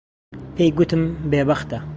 پێی گوتم بێبەختە.